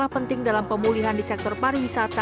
penting dalam pemulihan di sektor pariwisata